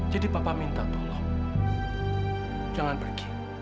jadi papa minta tolong jangan pergi